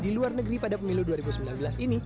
di luar negeri pada pemilu dua ribu sembilan belas ini